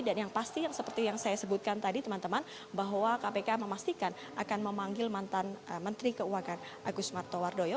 dan yang pasti seperti yang saya sebutkan tadi teman teman bahwa kpk memastikan akan memanggil mantan menteri keuangan agus martowardoyo